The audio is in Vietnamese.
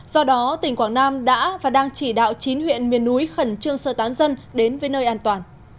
do đó tỉnh quảng nam đã và đang chỉ đạo chín huyện miền núi khẩn trương sơ tán dân đến với nơi an toàn